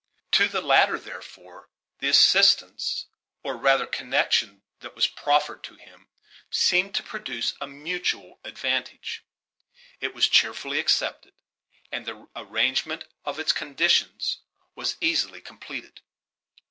To the latter therefore, the assistance, or rather connection that was proffered to him, seemed to produce a mutual advantage. It was cheerfully accepted, and the arrangement of its conditions was easily completed.